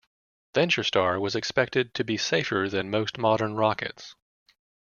VentureStar was expected to be safer than most modern rockets.